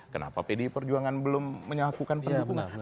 kenapa pdip perjuangan belum melakukan perhubungan